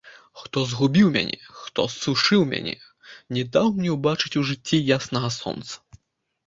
Хто згубіў мяне, хто ссушыў мяне, не даў мне ўбачыць у жыцці яснага сонца?